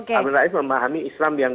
pak amin rais memahami islam yang